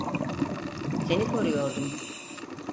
Seni koruyordum.